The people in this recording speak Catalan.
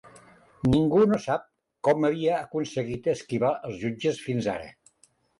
Ningú no sap com havia aconseguit esquivar els jutges fins ara.